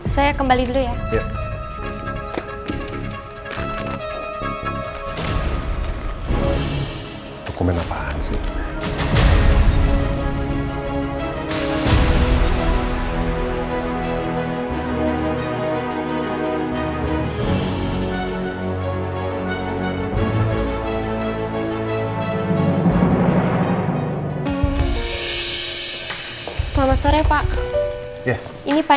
saya kembali dulu ya